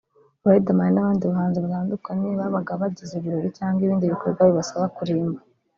Riderman n’abandi bahanzi batandukanye babaga bagize ibirori cyangwa ibindi bikorwa bibasaba kurimba